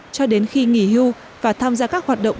cho đến khi nghỉ hưu và tham gia các hoạt động